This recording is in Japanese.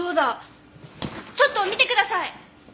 ちょっと見てください！